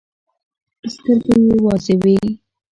سترګې يې وازې وې.